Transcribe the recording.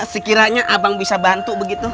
sekiranya abang bisa bantu begitu